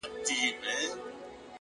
د لېونتوب اته شپيتمو دقيقو کي بند دی-